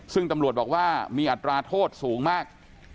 ซึ่งตำรวจบอกว่ามีอัตราโทษสูงมาก